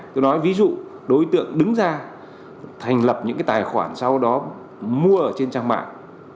tôi nói ví dụ đối tượng đứng ra thành lập những cái tài khoản sau đó mua ở trên trang mạng